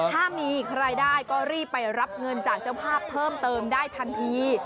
ถ้ามีใครได้ก็รีบไปรับเงินจากเจ้าภาพเพิ่มเติมได้ทันที